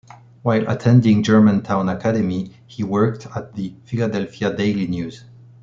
While attending Germantown Academy, he worked at the "Philadelphia Daily News".